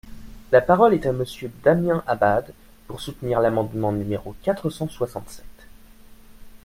La parole est à Monsieur Damien Abad, pour soutenir l’amendement numéro quatre cent soixante-sept.